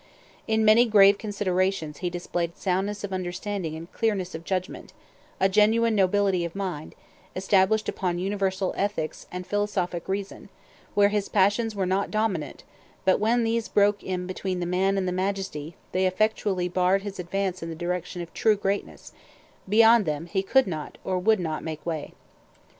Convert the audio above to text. In many grave considerations he displayed soundness of understanding and clearness of judgment, a genuine nobility of mind, established upon universal ethics and philosophic reason, where his passions were not dominant; but when these broke in between the man and the majesty, they effectually barred his advance in the direction of true greatness; beyond them he could not, or would not, make way.